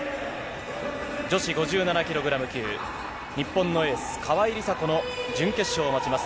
女子５７キログラム級、日本のエース、川井梨紗子の準決勝を待ちます。